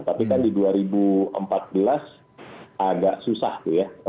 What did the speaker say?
tapi kan di dua ribu empat belas agak susah tuh ya